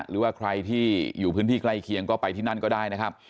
หรือว่าใครที่อยู่พื้นที่ใกล้เคียงก็ไปที่นั่นก็ได้นะครับ